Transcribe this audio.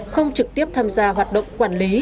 không trực tiếp tham gia hoạt động quản lý